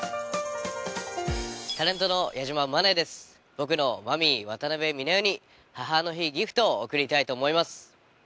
僕のマミー。に母の日ギフトを贈りたいと思います。